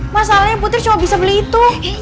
masalahnya putri cuma bisa beli itu